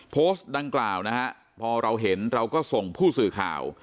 โพสต์ดังกล่าวนะฮะพอเราเห็นเราก็ส่งผู้สื่อข่าว